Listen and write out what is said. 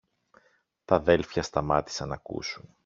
Τ' αδέλφια σταμάτησαν ν' ακούσουν.